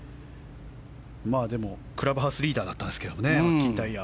でもクラブハウスリーダーだったんですがねマッキンタイヤ。